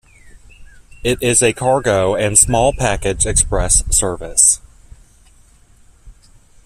It is a cargo and small package express service.